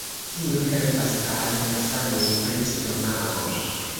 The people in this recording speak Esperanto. Tio helpas al malsanoj pri stomako.